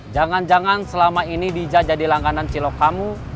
jangan jangan selama ini dija jadi langganan cilok kamu